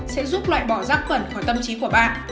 sẽ giúp loại bỏ rác khuẩn khỏi tâm trí của bạn